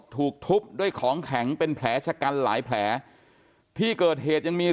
ถูกทุบด้วยของแข็งเป็นแผลชะกันหลายแผลที่เกิดเหตุยังมี